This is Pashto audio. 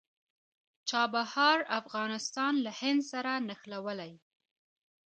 چابهار افغانستان له هند سره نښلوي